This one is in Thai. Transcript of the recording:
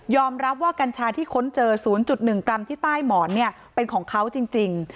รับว่ากัญชาที่ค้นเจอ๐๑กรัมที่ใต้หมอนเนี่ยเป็นของเขาจริง